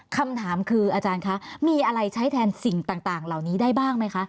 คำถามคืออาจารย์คะมีอะไรใช้แทนสิ่งต่างเหล่านี้ได้บ้างไหมคะ